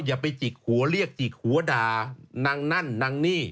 อย่าไปจิกหัวเรียกจิกหัวด่านางนั่นนางนี่